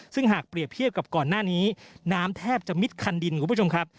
ซึ่งหากเปรียบเทียบกับก่อนหน้านี้น้ำแทบจะมิดคันดินคุณผู้ชมครับ